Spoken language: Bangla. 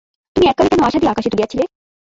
তবে এককালে কেন আশা দিয়া আকাশে তুলিয়াছিলে?